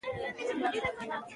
، نو ډېر څه ترې ترلاسه کولى شو.